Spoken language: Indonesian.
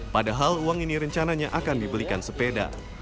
padahal uang ini rencananya akan dibelikan sepeda